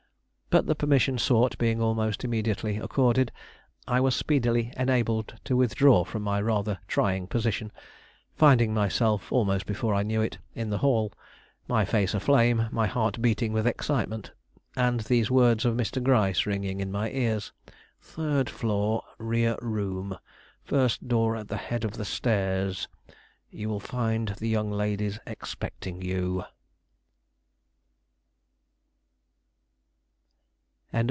But the permission sought being almost immediately accorded, I was speedily enabled to withdraw from my rather trying position, finding myself, almost before I knew it, in the hall, my face aflame, my heart beating with excitement, and these words of Mr. Gryce ringing in my ears: "Third floor, rear room, first door at the head of the stairs. You will find the young ladies expecting you."